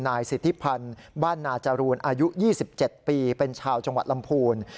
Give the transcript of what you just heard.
นายสิทธิพันธุ์บ้านนาจรูนอายุยี่สิบเจ็ดปีเป็นชาวจังหวัดลำภูนิ